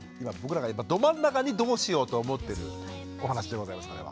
僕らが今ど真ん中にどうしようと思ってるお話でございます